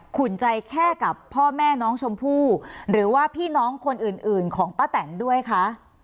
อุ่นใจแค่กับพ่อแม่น้องชมพู่หรือว่าพี่น้องคนอื่นอื่นของป้าแตนด้วยคะ